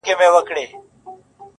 دعا لکه چي نه مني یزدان څه به کوو؟-